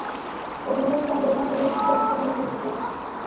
ئوغلىڭىز چوڭ بولغانسېرى سىزگە ئوخشىغىلى تۇرۇپتۇ.